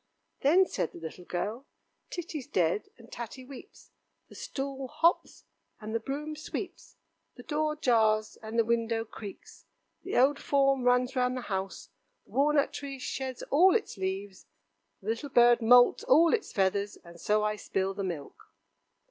Then said the little girl: "Titty's dead, and Tatty weeps, the stool hops, and the broom sweeps, the door jars, and the window creaks, the old form runs round the house, the walnut tree sheds all its leaves, the little bird moults all its feathers, and so I spill the milk."